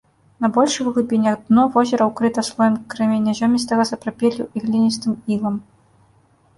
На большых глыбінях дно возера ўкрыта слоем крэменязёмістага сапрапелю і гліністым ілам.